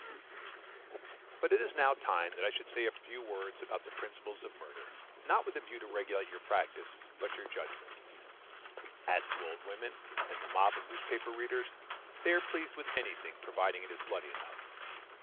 But it is now time that I should say a few words about the principles of murder, not with a view to regulate your practice, but your judgment: as to old women, and the mob of newspaper readers, they are pleased with anything, provided it is bloody enough.